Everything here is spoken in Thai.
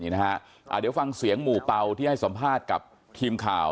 เดี๋ยวฟังเสียงหมู่เป่าที่ให้สัมภาษณ์กับทีมข่าว